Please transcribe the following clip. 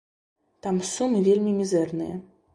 Там сумы вельмі мізэрныя.